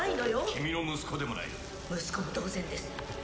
君の息子でもない息子も同然です